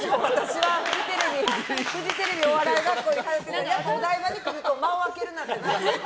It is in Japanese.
私はフジテレビお笑い学校に通っててやっぱお台場に来ると間をあけるなって。